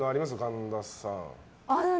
神田さん。